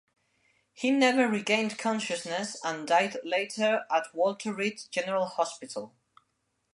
He never regained consciousness and died later at Walter Reed General Hospital.